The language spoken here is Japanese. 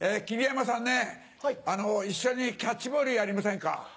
桐山さんね一緒にキャッチボールやりませんか？